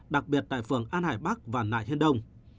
đặc biệt tại phường an hải bắc và nại hiên đông